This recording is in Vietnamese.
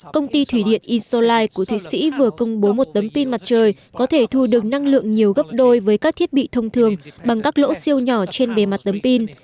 công ty thủy điện isolai của thụy sĩ vừa công bố một tấm pin mặt trời có thể thu được năng lượng nhiều gấp đôi với các thiết bị thông thường bằng các lỗ siêu nhỏ trên bề mặt tấm pin